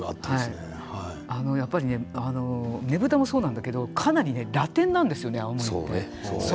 やっぱり、ねぶたもそうなんだけど、かなりラテンなんですよね、青森って。